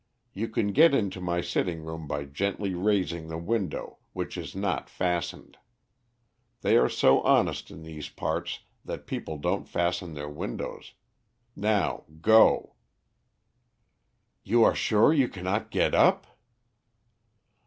You can get into my sitting room by gently raising the window, which is not fastened. They are so honest in these parts that people don't fasten their windows. Now go." "You are sure you cannot get up?"